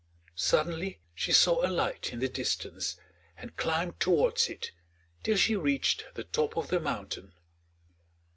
Suddenly she saw a light in the distance, and climbed towards it, till she reached the top of the mountain.